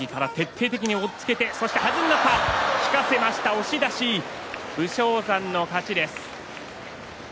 押し出し武将山の勝ちです。